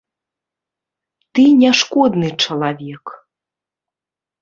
Ты не шкодны чалавек.